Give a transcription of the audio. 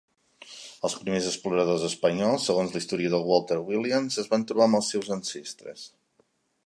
Els primers exploradors espanyols, segons l'historiador Walter Williams, es van trobar amb els seus ancestres.